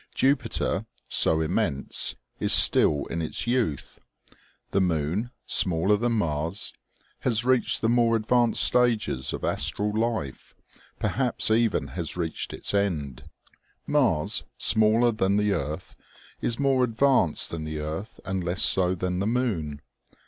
Jupiter, so im mense, is still in its youth. The moon, smaller than Mars, has reached the more advanced stages of astral life, per haps even has reached its end. Mars, smaller than the earth, is more advanced than the earth and less so than the moon.